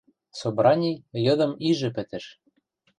Собрани йыдым ижӹ пӹтӹш.